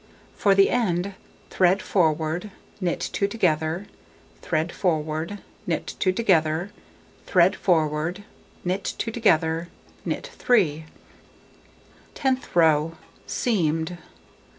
For the end: thread forward, knit 2 together, thread forward, knit 2 together, thread forward, knit 2 together, knit 3. Tenth row: Seamed.